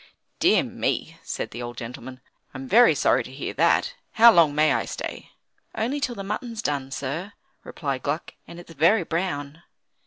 "Dear me," said the old gentleman, "I'm very sorry to hear that. How long may I stay?" "Only till the mutton's done, sir," replied Gluck, "and it's very brown."